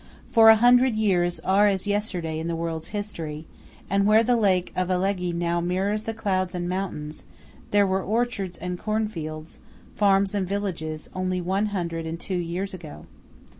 For a hundred years are as yesterday in the world's history, and where the lake of Alleghe now mirrors the clouds and the mountains, there were orchards and cornfields, farms and villages, only one hundred and two years ago.